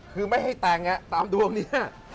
คือไม่ให้แต่งงานตามดวงเนี่ย